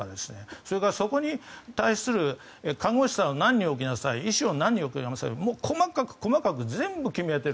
それから、そこに対する看護師さんは何人置きなさい医師は何人置きなさい細かく細かく全部決められている。